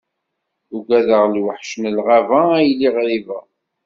Uggadeɣ lwaḥc n lɣaba a yelli ɣriba.